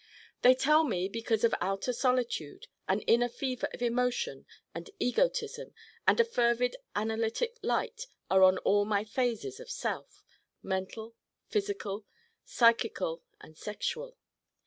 They tell me because of outer solitude an inner fever of emotion and egotism and a fervid analytic light are on all my phases of self: mental, physical, psychical and sexual.